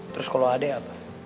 terus kalau ade apa